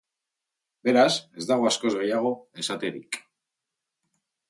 Beraz, ez dago askoz gehiago esaterik.